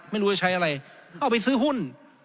ไม่รู้จะใช้อะไรเอาไปซื้อหุ้น